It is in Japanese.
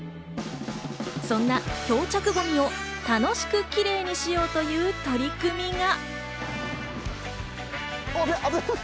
そんな漂着ゴミを楽しくキレイにしようという取り組みが。